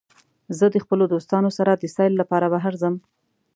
زه د خپلو دوستانو سره د سیل لپاره بهر ځم.